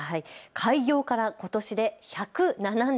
開業からことしで１０７年。